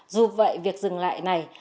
dù vậy việc dừng lại này